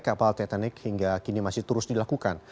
kapal titanic hingga kini masih terus dilakukan